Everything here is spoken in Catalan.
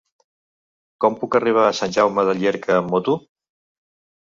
Com puc arribar a Sant Jaume de Llierca amb moto?